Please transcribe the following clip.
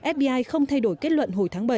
fbi không thay đổi kết luận hồi tháng bảy